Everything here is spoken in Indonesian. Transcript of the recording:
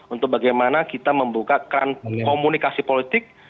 untuk bagaimana kita membukakan komunikasi politik